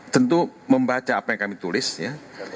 tentu membaca apa yang kami tulis ya